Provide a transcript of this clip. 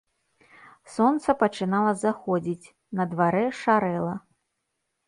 Сонца пачынала заходзіць, на дварэ шарэла.